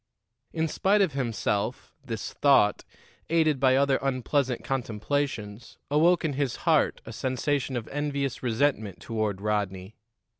In spite of himself, this thought, aided by other unpleasant contemplations, awoke in his heart a sensation of envious resentment toward Rodney.